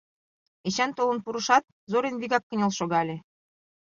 Эчан толын пурышат, Зорин вигак кынел шогале.